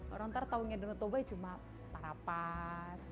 orang ntar tahu nilai danau toba cuma parapat